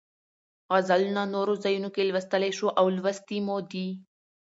غزلونه نورو ځایونو کې لوستلی شو او لوستې مو دي.